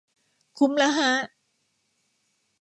คุ้มแล้วฮะ